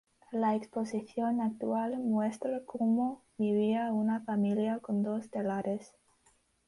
La exposición actual muestra cómo vivía una familia con dos telares.